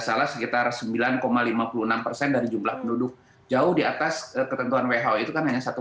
salah sekitar sembilan lima puluh enam persen dari jumlah penduduk jauh di atas ketentuan who itu kan hanya satu